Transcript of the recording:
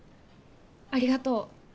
ありがとう。